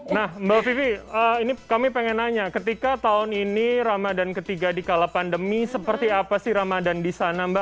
nah mbak vivi ini kami pengen nanya ketika tahun ini ramadan ketiga di kala pandemi seperti apa sih ramadan di sana mbak